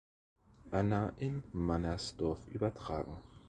Anna in Mannersdorf übertragen.